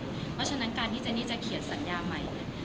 เพราะฉะนั้นการที่เจนี่จะเขียนสัญญาใหม่